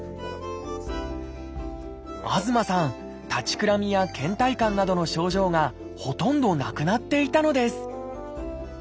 東さん立ちくらみやけん怠感などの症状がほとんどなくなっていたのです